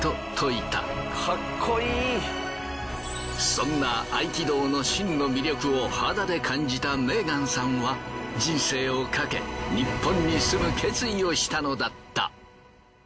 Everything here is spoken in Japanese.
そんな合気道の真の魅力を肌で感じたメーガンさんは人生をかけニッポンに住む決意をしたのだった。